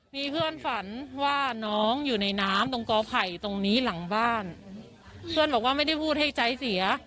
มีเพื่อนฝันว่าน้องอยู่ในน้ำตรงกอไผ่ตรงนี้หลังบ้านเพื่อนบอกว่าไม่ได้พูดให้ใจเสีย